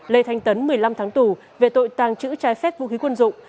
lê thanh tấn một mươi năm tháng tù về tội tàng trữ trái phép vũ khí quân dụng